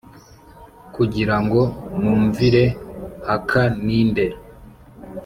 kugira ngo numvire haka ni nde